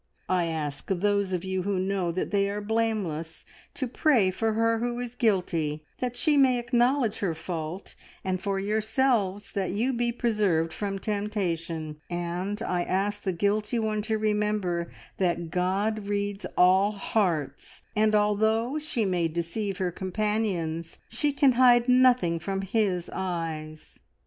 I ask those of you who know that they are blameless to pray for her who is guilty, that she may acknowledge her fault, and for yourselves that you be preserved from temptation; and I ask the guilty one to remember that God reads all hearts, and although she may deceive her companions, she can hide nothing from His eyes.